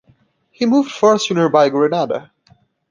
He moved first to nearby Grenada.